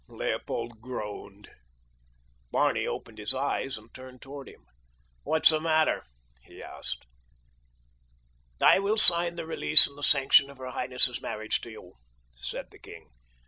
Leopold groaned. Barney opened his eyes and turned toward him. "What's the matter?" he asked. "I will sign the release and the sanction of her highness' marriage to you," said the king.